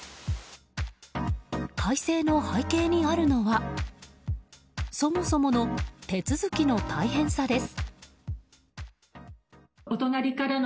改正の背景にあるのはそもそもの手続きの大変さです。